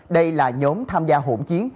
đây là nhóm tham gia hỗn chiến